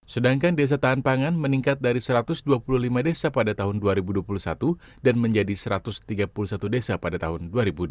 sedangkan desa tahan pangan meningkat dari satu ratus dua puluh lima desa pada tahun dua ribu dua puluh satu dan menjadi satu ratus tiga puluh satu desa pada tahun dua ribu dua puluh